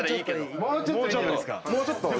もうちょっと。